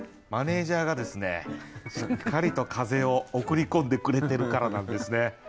マネージャーがですねしっかりと風を送り込んでくれてるからなんですね。